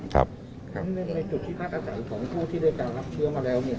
ครั้งนึกในจุดที่พักอาศัยของผู้ที่ได้การรับเชื้อมาแล้วเนี่ย